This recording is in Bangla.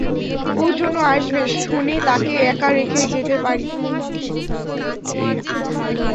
ওর জন্য আসবে শোনে তাকে একা রেখে যেতে পারি?